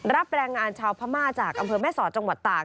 แรงงานชาวพม่าจากอำเภอแม่สอดจังหวัดตาก